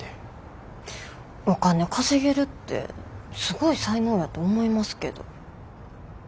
お金稼げるってすごい才能やと思いますけど。